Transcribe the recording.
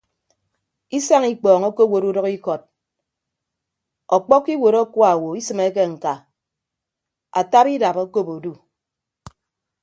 Isañ ikpọọñ okowot udʌkikọt ọkpọkkọ iwuot akuaowo isịmeke ñka ataba idap okop odu.